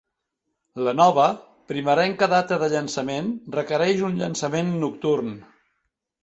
La nova, primerenca data de llançament requereix un llançament nocturn.